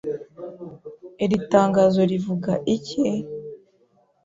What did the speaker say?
Iri tangazo rivuga iki